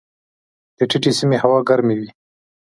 د ټیټې سیمې هوا ګرمې وي.